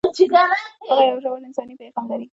هغه یو ژور انساني پیغام لري.